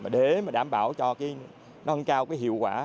để đảm bảo cho nâng cao hiệu quả